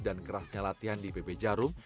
dan kerasnya latihan di pb jarum